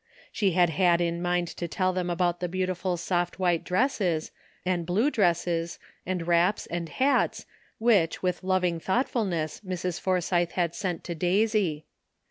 She had had in mind to tell them about the beautiful soft white dresses, and blue dresses, and wraps and hats, which with loving thoughtfulness Mrs. Forsythe had sent to Daisy.